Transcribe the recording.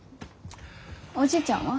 おじいちゃんは？